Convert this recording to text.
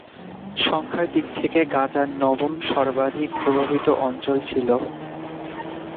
সংখ্যার দিক থেকে গাজা নবম সর্বাধিক প্রভাবিত অঞ্চল ছিল।